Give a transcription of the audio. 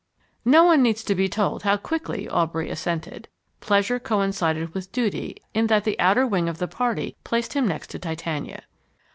No one needs to be told how quickly Aubrey assented. Pleasure coincided with duty in that the outer wing of the party placed him next to Titania.